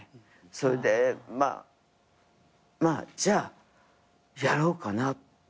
それでまあ「じゃあやろうかな」って。